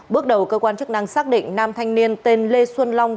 bước đầu cơ quan chức năng xác định nam thanh niên tên lê xuân long